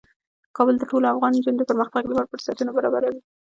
کابل د ټولو افغان نجونو د پرمختګ لپاره فرصتونه برابروي.